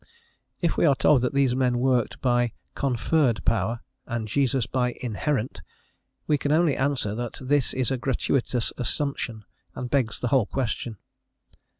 If we are told that these men worked by conferred power and Jesus by inherent, we can only answer that this is a gratuitous assumption, and begs the whole question.